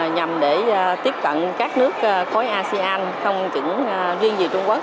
nhằm để tiếp cận các nước khối asean không chỉ riêng về trung quốc